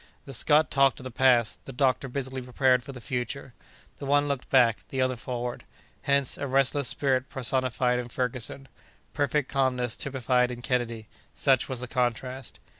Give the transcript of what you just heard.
The Scot talked of the past; the doctor busily prepared for the future. The one looked back, the other forward. Hence, a restless spirit personified in Ferguson; perfect calmness typified in Kennedy—such was the contrast.